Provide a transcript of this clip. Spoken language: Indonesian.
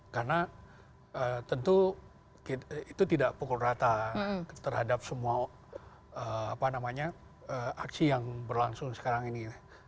karena tentu itu tidak pukul rata terhadap semua aksi yang berlangsung sekarang ini